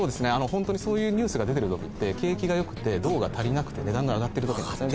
ホントにそういうニュースが出てる時って景気がよくて銅が足りなくて値段が上がってる時なんですね。